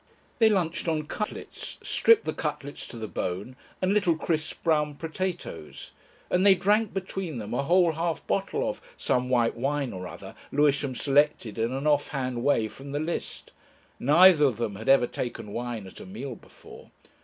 They lunched on cutlets stripped the cutlets to the bone and little crisp brown potatoes, and they drank between them a whole half bottle of some white wine or other, Lewisham selected in an off hand way from the list. Neither of them had ever taken wine at a meal before.